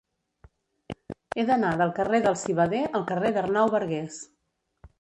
He d'anar del carrer del Civader al carrer d'Arnau Bargués.